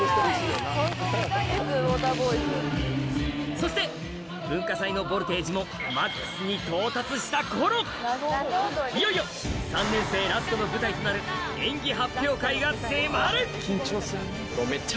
そして文化祭のボルテージもマックスに到達した頃いよいよ３年生ラストの舞台となる演技発表会が迫る！